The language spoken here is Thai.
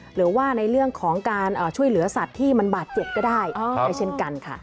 หรือว่าในเรื่องของการช่วยเหลือสัตว์ที่มันบาดเจ็บก็ได้ด้วยเช่นกันค่ะ